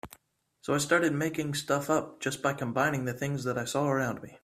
So I started making stuff up just by combining the things that I saw around me.